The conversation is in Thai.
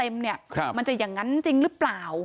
มันจะอย่างนั้นจริงหรือเปล่า